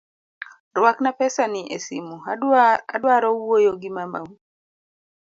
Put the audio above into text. Ruakna pesani esimu adwaro wuoyo gi mamau.